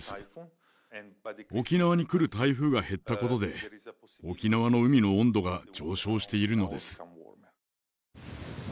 沖縄に来る台風が減ったことで沖縄の海の温度が上昇しているのです。